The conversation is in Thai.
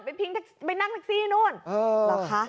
ไปพิงไปนั่งแท็กซี่นู้นหรอคะ